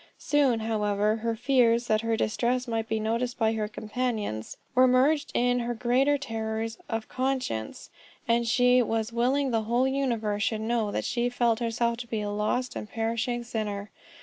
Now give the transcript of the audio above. Soon, however, her fears that her distress might be noticed by her companions, were merged in her greater terrors of conscience, and she "was willing the whole universe should know that she felt herself to be a lost and perishing sinner."